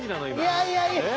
いやいやいや。